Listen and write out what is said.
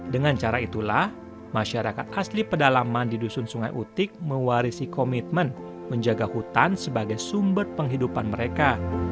dengan cara itulah masyarakat asli pedalaman di dusun sungai utik mewarisi komitmen menjaga hutan sebagai sumber penghidupan mereka